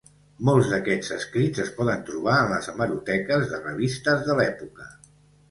Molts d'aquests escrits es poden trobar en les hemeroteques de revistes de l'època.